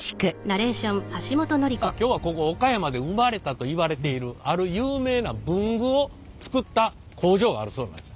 さあ今日はここ岡山で生まれたといわれているある有名な文具を作った工場があるそうなんです。